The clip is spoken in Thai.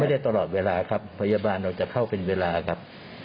ได้ตลอดเวลาครับพยาบาลเราจะเข้าเป็นเวลาครับ